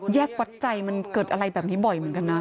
วัดใจมันเกิดอะไรแบบนี้บ่อยเหมือนกันนะ